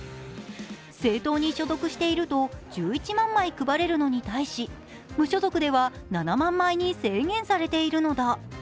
政党に所属していると１１万枚、配れるのに対し無所属では７万枚に制限されているのだ。